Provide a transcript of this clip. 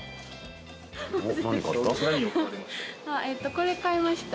これ買いました。